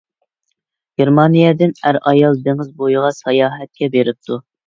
گېرمانىيەدىن ئەر-ئايال دېڭىز بويىغا ساياھەتكە بېرىپتۇ.